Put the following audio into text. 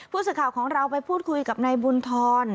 ผู้สื่อข่าวของเราไปพูดคุยกับนายบุญธร